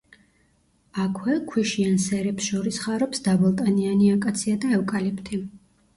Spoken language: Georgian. აქვე ქვიშიან სერებს შორის ხარობს დაბალტანიანი აკაცია და ევკალიპტი.